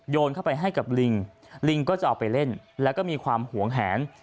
เข้าไปให้กับลิงลิงก็จะเอาไปเล่นแล้วก็มีความหวงแหน